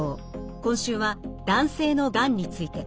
今週は男性のがんについて。